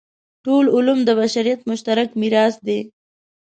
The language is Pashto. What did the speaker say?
ټول علوم د بشریت مشترک میراث دی.